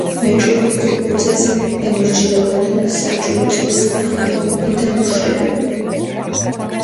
მეჭურჭლეთუხუცესს ემორჩილებოდნენ საჭურჭლის მუქიბი და მუშრიბი.